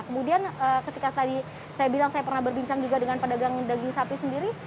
kemudian ketika tadi saya bilang saya pernah berbincang juga dengan pedagang daging sapi sendiri